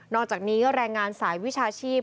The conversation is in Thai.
อกจากนี้แรงงานสายวิชาชีพ